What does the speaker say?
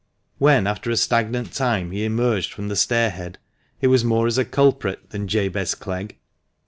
When after a stagnant time he emerged from the stairhead, it was more as a culprit than Jabez Clegg.